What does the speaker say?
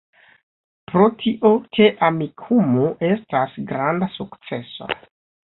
Pro tio, ke Amikumu estas granda sukceso